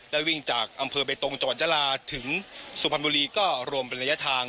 วิ่งจากอำเภอเบตรงจังหวัดยาลาถึงสุพรรณบุรีก็รวมเป็นระยะทาง